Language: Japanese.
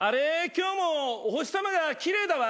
今日もお星さまが奇麗だわ。